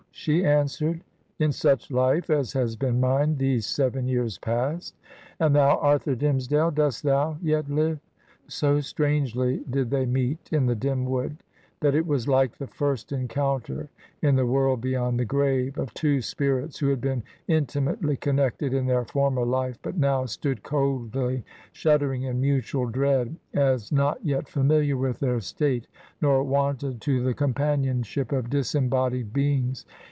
she answered. 'In such life as has been miiie these seven years past I And thou, Arthur Dimmesdale, dost thou yet live?' ... So strangely did they meet, in the dim wood, that it was like the first encounter, in the world beyond the grave, of two spirits who had been intimately connected in their former life, but now stood coldly shuddering, in mutual dread; as not yet familiar with their state nor wonted to the com panionship of disembodied beings.